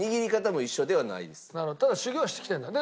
ただ修業してきてるんだね。